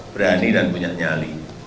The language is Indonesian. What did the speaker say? berani dan punya nyali